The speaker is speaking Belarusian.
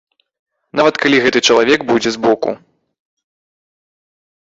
Нават калі гэты чалавек будзе збоку.